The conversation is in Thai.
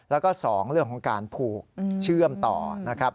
แล้วก็๒เรื่องของการผูกเชื่อมต่อนะครับ